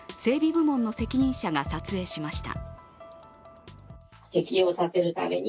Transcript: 部門の責任者が撮影しました。